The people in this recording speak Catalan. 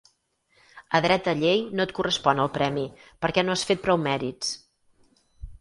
A dreta llei no et correspon el premi, perquè no has fet prou mèrits.